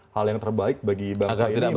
hal yang terbaik bagi bangsa ini